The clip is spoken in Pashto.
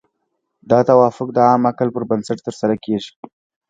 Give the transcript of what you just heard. دا توافق د عام عقل پر بنسټ ترسره کیږي.